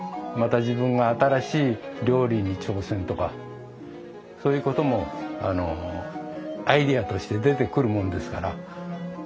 また自分が新しい料理に挑戦とかそういうこともアイデアとして出てくるもんですから。